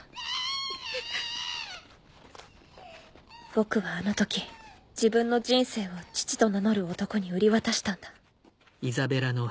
僕はあの時自分の人生を父と名乗る男に売り渡したんだ。